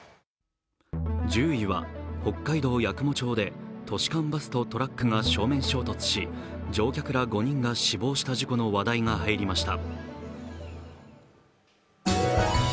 １０位は北海道八雲町で都市間バスとトラックが正面衝突し乗客ら５人が死亡した事故の話題が入りました。